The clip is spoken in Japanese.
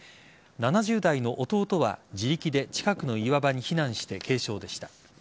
７０代の弟は自力で、近くの岩場に避難して軽傷でした。